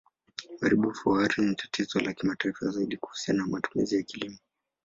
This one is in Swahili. Uharibifu wa ardhi ni tatizo la kimataifa, zaidi kuhusiana na matumizi ya kilimo.